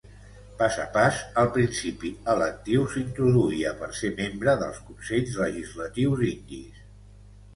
Pas a pas, el principi electiu s'introduïa per ser membre dels consells legislatius indis.